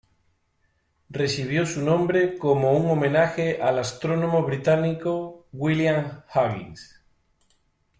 Recibió su nombre como un homenaje al astrónomo británico William Huggins.